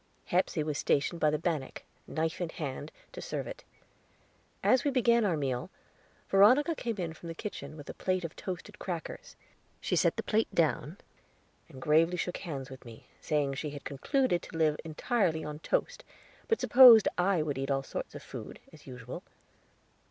Hepsey was stationed by the bannock, knife in hand, to serve it. As we began our meal, Veronica came in from the kitchen, with a plate of toasted crackers. She set the plate down, and gravely shook hands with me, saying she had concluded to live entirely on toast, but supposed I would eat all sorts of food, as usual.